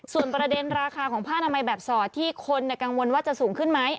ส่วนประเด็นราคาของผ้านามัยแบบสอดที่คนกังวลว่าจะสูงขึ้นไหม